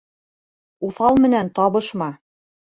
Уҫал менән табышма